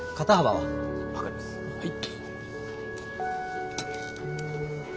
はい。